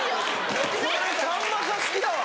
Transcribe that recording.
これさんまさん好きだわ！